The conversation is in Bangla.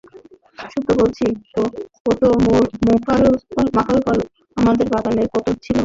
সতু বলিল, ও তো মাকাল ফল-আমাদের বাগানে ক-ত ছিল!